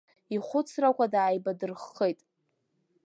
Ихәыцрақәа дааибадырххеит…